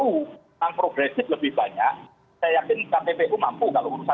tapi ini saya berharap lebih lengkap lagi dan mudah mudahan saya yakin taptu mampu